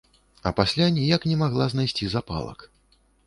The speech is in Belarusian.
А пасля ніяк не магла знайсці запалак.